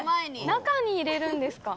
中に入れるんですか。